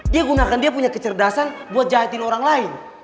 dia gunakan dia punya kecerdasan buat jahatin orang lain